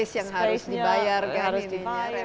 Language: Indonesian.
dan ada ruang yang harus dibayar